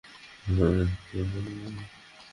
তিনি দরবারের কার্যক্রমে কয়েকবার হস্তক্ষেপ করেছিলেন।